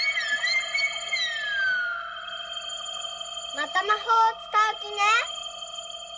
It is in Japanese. またまほうをつかうきね？